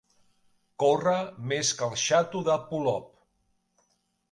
Córrer més que el xato de Polop.